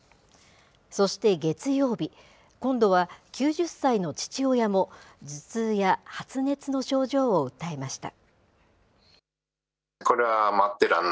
そして月曜日、今度は９０歳の父親も、頭痛や発熱の症状を訴えました。